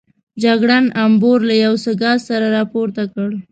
جګړن امبور له یو څه ګاز سره راپورته کړ.